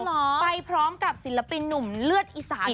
ไปพร้อมกับศิลปินหนุ่มเลือดอีสาน